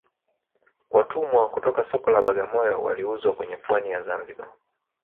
Watumwa kutoka soko la bagamoyo waliuzwa kwenye pwani ya zanzibar